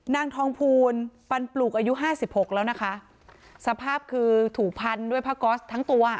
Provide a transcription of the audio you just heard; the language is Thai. นางทองภูลปันปลูกอายุห้าสิบหกแล้วนะคะสภาพคือถูกพันด้วยผ้าก๊อสทั้งตัว